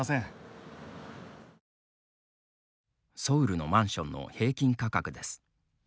ソウルのマンションの平均価格です。